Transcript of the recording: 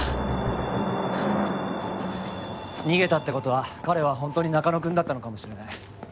逃げたって事は彼は本当に中野くんだったのかもしれない。